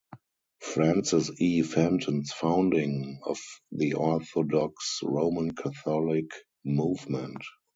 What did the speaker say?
Francis E. Fenton's founding of the Orthodox Roman Catholic Movement.